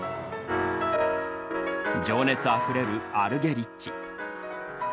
情熱あふれる、アルゲリッチ。